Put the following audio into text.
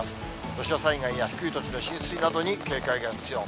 土砂災害や低い土地の浸水などに警戒が必要。